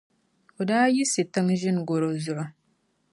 o daa yiɣisi tiŋa n-ʒini garo zuɣu.